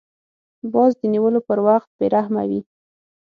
باز د نیولو پر وخت بې رحمه وي